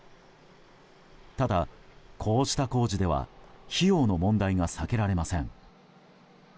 ただ、こうした工事では費用の問題が避けられません。